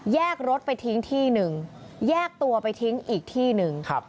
รถไปทิ้งที่หนึ่งแยกตัวไปทิ้งอีกที่หนึ่ง